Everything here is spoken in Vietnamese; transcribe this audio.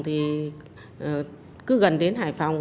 thì cứ gần đến hải phòng